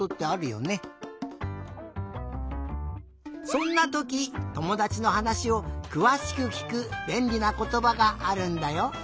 そんなときともだちのはなしをくわしくきくべんりなことばがあるんだよ。